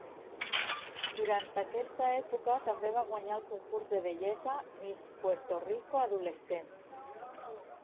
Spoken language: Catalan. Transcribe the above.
Durant aquesta època també va guanyar el concurs de bellesa "Miss Puerto Rico adolescent".